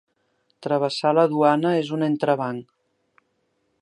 Travessar la duana és un entrebanc.